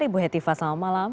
ibu hetifa selamat malam